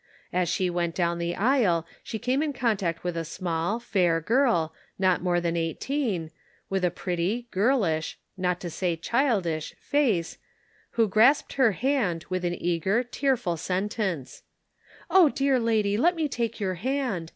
As she went down the aisle she came in contact with a small, fair girl, not more than eighteen, with a pretty, girlish — not to say childish — face, who grasped her hand, with an eager, tearful sentence : "Oh, dear lady, let me take your hand.